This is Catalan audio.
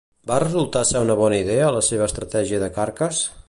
Va resultar ser una bona idea la seva estratègia de Carcas?